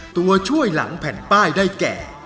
ตัวช่วยหลังแผ่นป้ายได้แก่